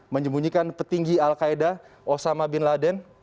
menyembunyikan petinggi al qaeda osama bin laden